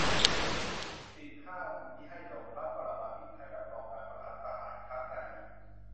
สิบ ห้ามมิให้ลงพระปรมาภิไธยรับรองการรัฐประหารครั้งใดอีก